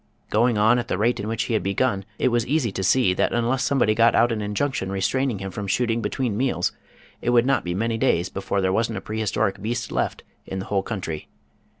Going on at the rate in which he had begun it was easy to see that unless somebody got out an injunction restraining him from shooting between meals it would not be many days before there wasn't a prehistoric beast left in the whole country.